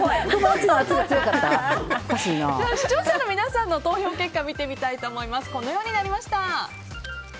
視聴者の皆さんの投票結果を見てみたいと思います。